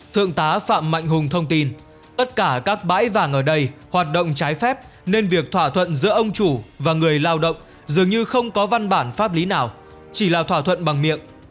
thượng tá phạm mạnh hùng thông tin tất cả các bãi vàng ở đây hoạt động trái phép nên việc thỏa thuận giữa ông chủ và người lao động dường như không có văn bản pháp lý nào chỉ là thỏa thuận bằng miệng